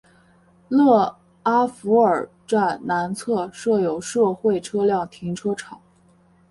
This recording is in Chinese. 勒阿弗尔站南侧设有社会车辆停车场。